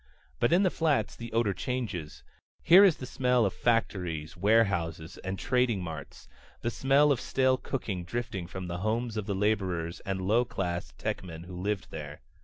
But in the Flats the odor changes. Here is the smell of factories, warehouses, and trading marts; the smell of stale cooking drifting from the homes of the laborers and lower class techmen who live there.